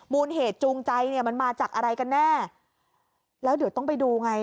มูลเหตุจูงใจเนี่ยมันมาจากอะไรกันแน่แล้วเดี๋ยวต้องไปดูไง